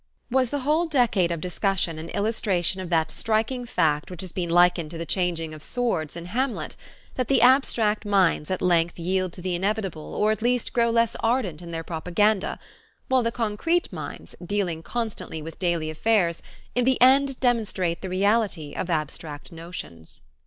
Was the whole decade of discussion an illustration of that striking fact which has been likened to the changing of swords in Hamlet; that the abstract minds at length yield to the inevitable or at least grow less ardent in their propaganda, while the concrete minds, dealing constantly with daily affairs, in the end demonstrate the reality of abstract notions?